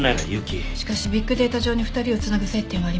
しかしビッグデータ上に２人をつなぐ接点はありません。